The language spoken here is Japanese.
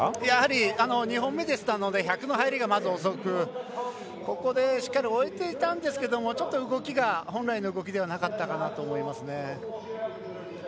やはり、２本目でしたので１００の入りが遅くここでしっかり追えていたんですけど動きが本来の動きではなかったかなと思いますね。